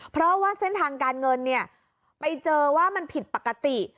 เพราะว่าเส้นทางการเงินเนี่ยไปเจอว่ามันผิดปกติ